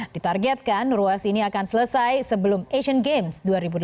ditargetkan ruas ini akan selesai sebelum asian games dua ribu delapan belas